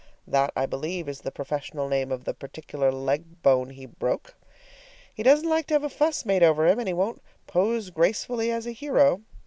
That, I believe, is the professional name of the particular leg bone he broke. He doesn't like to have a fuss made over him, and he won't pose gracefully as a hero.